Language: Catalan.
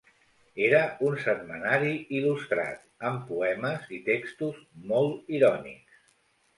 Era un setmanari il·lustrat, amb poemes i textos molt irònics.